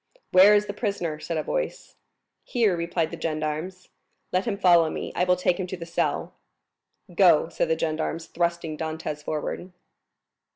"Where is the prisoner?" said a voice. "Here," replied the gendarmes. "Let him follow me; I will take him to his cell." "Go!" said the gendarmes, thrusting Dantès forward.